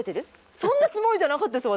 そんなつもりじゃなかったです。